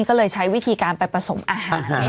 ก็เลยใช้วิธีการไปผสมอาหาร